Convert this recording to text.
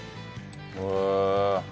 へえ。